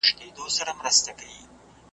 چي هرشی به یې وو لاس ته ورغلی .